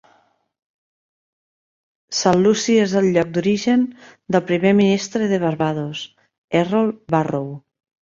Saint Lucy és el lloc d'origen del primer Primer Ministre de Barbados, Errol Barrow.